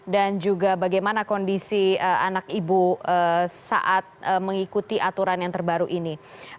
dan juga bagaimana kondisi anak ibu saat mengikuti aturan yang terbaru ini